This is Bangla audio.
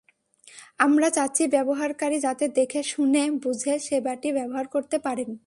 আমরা চাচ্ছি ব্যবহারকারী যাতে দেখে, শুনে, বুঝে সেবাটি ব্যবহার করতে পারেন।